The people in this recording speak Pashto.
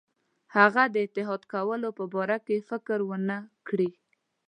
هغه د اتحاد کولو په باره کې فکر ونه کړي.